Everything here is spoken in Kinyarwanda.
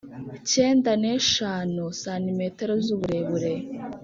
cyenda n eshanu cm z uburebure